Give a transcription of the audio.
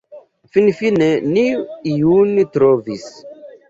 Finfine ni iun trovis.